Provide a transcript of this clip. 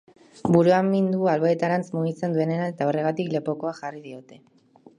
Buruan min du alboetarantz mugitzen duenean eta horregatik lepokoa jarri diote.